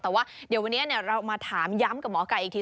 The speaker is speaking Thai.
แต่ว่าเดี๋ยววันนี้เรามาถามย้ำกับหมอไก่อีกที